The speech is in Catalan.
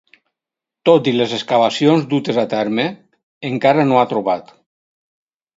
Tot i les excavacions dutes a terme encara no ha trobat.